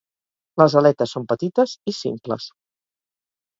Les aletes són petites i simples.